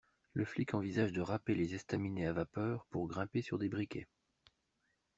Le flic envisage de raper les estaminets à vapeur pour grimper sur des briquets.